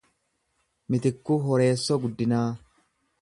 Mitikkuu Horeessoo Guddinaa